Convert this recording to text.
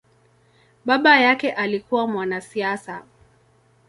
Baba yake alikua mwanasiasa.